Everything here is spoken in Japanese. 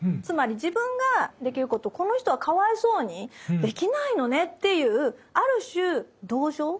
つまり自分ができることをこの人はかわいそうにできないのねっていうある種同情？